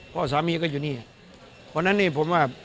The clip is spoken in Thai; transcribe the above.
พ่อสามีก็อยู่นี่เพราะฉะนั้นนี่ผมว่า